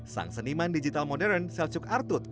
sang seniman digital modern seljuk artut